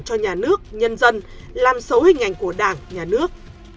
cho nhà nước nhân dân làm xấu hình ảnh của đảng nhà nước